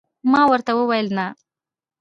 ما ورته وویل: نه.